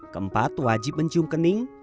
keempat wajib mencium kening